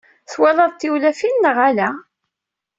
Twalaḍ tiwlafin, neɣ ala?